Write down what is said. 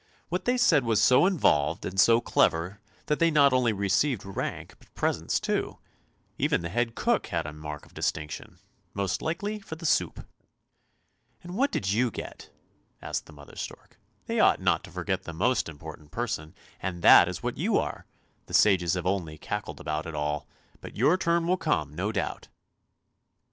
" What they said was so involved and so clever that they not only received rank, but presents too; even the head cook had a mark of distinction — most likely for the soup! "" And what did you get? " asked the mother stork. " They ought not to forget the most important person, and that is what you are; the sages have only cackled about it all. But your turn will come, no doubt!